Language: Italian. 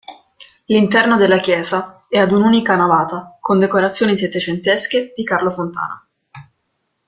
L'interno della chiesa è ad un'unica navata, con decorazioni settecentesche di Carlo Fontana.